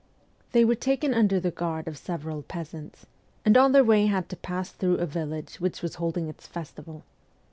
They were taken under the guard of several peasants, and on their way had to pass through a village which was holding its festival.